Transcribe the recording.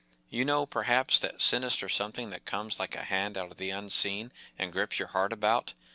You know, perhaps, that sinister something that comes like a hand out of the unseen and gri|>s your heart about.